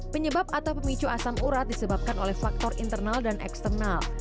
penyebab atau pemicu asam urat disebabkan oleh faktor internal dan eksternal